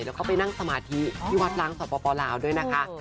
แล้วก็ไปนั่งสมาธิที่วัดล้างสปลาวด้วยนะคะ